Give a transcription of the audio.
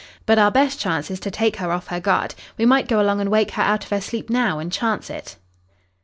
But our best chance is to take her off her guard. We might go along and wake her out of her sleep now and chance it."